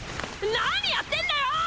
何やってんだよー！